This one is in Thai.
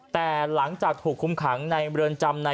แต่หลังจากถูกคุมขังในเรือนจำใน